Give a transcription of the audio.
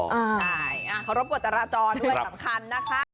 ใช่ขอรบบทรจรด้วยสำคัญนะคะ